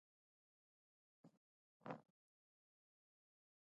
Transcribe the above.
ژبه د وخت او زمانې له بدلون سره تغير کوي.